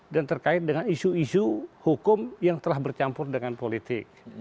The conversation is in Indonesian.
dan terkait dengan isu isu hukum yang telah bercampur dengan politik